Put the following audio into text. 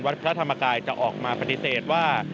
พระธรรมกายจะออกมาปฏิเสธว่า